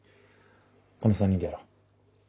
この３人でやろう。